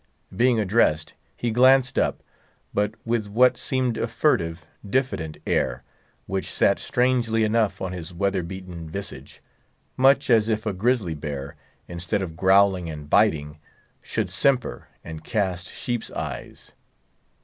Being addressed, he glanced up, but with what seemed a furtive, diffident air, which sat strangely enough on his weather beaten visage, much as if a grizzly bear, instead of growling and biting, should simper and cast sheep's eyes.